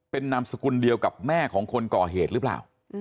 เป็นนามสกุลเดียวกับแม่ของคนก่อเหตุหรือเปล่า